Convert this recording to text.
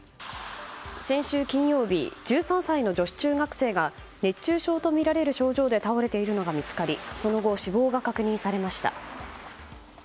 先週金曜日１３歳の女子中学生が熱中症とみられる症状で倒れているのが見つかりその後、死亡が確認されました。